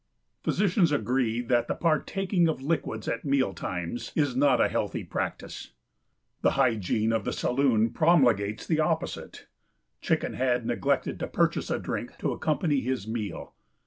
Physicians agree that the partaking of liquids at meal times is not a healthy practice. The hygiene of the saloon promulgates the opposite. Chicken had neglected to purchase a drink to accompany his meal.